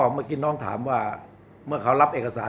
เมื่อกี้น้องถามว่าเมื่อเขารับเอกสาร